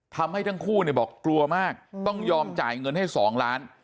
ทำให้ทั้งคู่บอกกลัวมากต้องยอมจ่ายเงินให้๒ล้าน